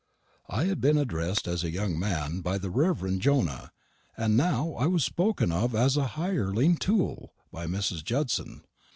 I had been addressed as a "young man" by the reverend Jonah, and now I was spoken of as a "hireling tool" by Miss Judson.